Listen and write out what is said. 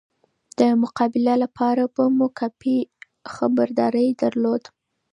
د مقابله لپاره به مو کافي خبرداری درلود.